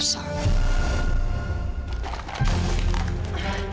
biar tahu rasa